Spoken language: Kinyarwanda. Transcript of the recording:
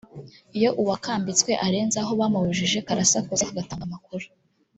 iyo uwakambitswe arenze aho bamubujije karasakuza kagatanga amakuru